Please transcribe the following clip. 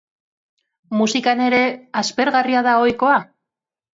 Musikan ere, aspergarria da ohikoa?